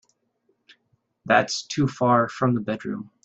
That's too far from the bedroom.